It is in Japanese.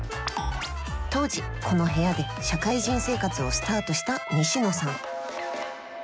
当時この部屋で社会人生活をスタートした西野さん。